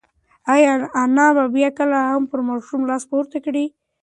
ایا انا به بیا کله هم پر ماشوم لاس پورته کړي؟